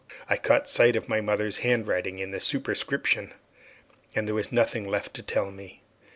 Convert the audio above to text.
I caught a sight of my mother's handwriting in the superscription, and there was nothing left to tell me.